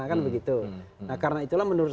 kan begitu nah karena itulah menurut